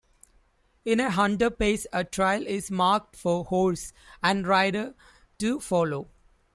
In a hunter pace a trail is marked for horse and rider to follow.